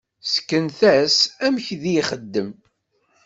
Sken-as amek di ixdem.